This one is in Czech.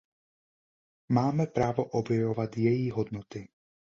Máme právo objevovat její hodnoty.